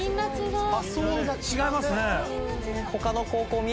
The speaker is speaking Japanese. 発想が違いますね。